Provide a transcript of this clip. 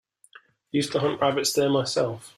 Used to hunt rabbits there myself.